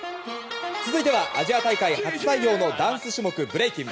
続いてはアジア大会初採用のダンス種目ブレイキン。